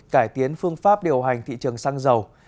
cải tiến phương pháp điều hành thị trường xăng dầu